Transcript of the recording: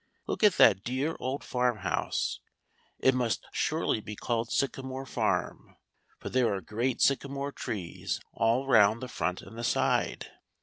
Look at that dear old farmhouse; it must surely be called Sycamore Farm, for there are great sycamore trees all round the front and the side.